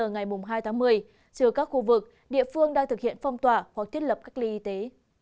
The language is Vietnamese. ngày hai tháng một mươi trừ các khu vực địa phương đang thực hiện phong tỏa hoặc thiết lập cách ly y tế